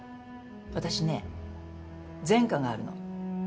私ね前科があるの。